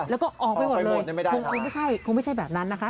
แล้วก็ออกไปหมดเลยคงไม่ใช่คงไม่ใช่แบบนั้นนะคะ